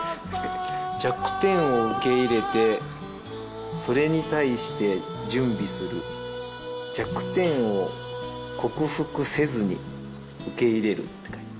「弱点を受け入れてそれに対して準備する」「弱点を克服せずに受け入れる」って。